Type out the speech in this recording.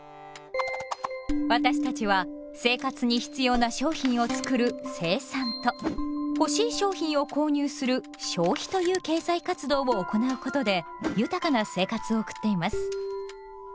私たちは生活に必要な商品を作る生産と欲しい商品を購入する消費という経済活動を行うことで豊かな生活を送っています。